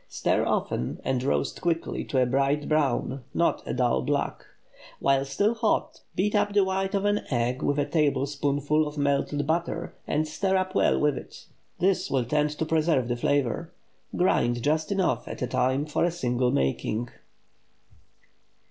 Stir often and roast quickly to a bright brown—not a dull black. While still hot, beat up the white of an egg with a tablespoonful of melted butter and stir up well with it. This will tend to preserve the flavor. Grind just enough at a time for a single making.